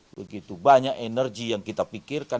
begitu banyak energi yang kita pikirkan